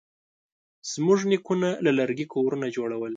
زموږ نیکونه له لرګي کورونه جوړول.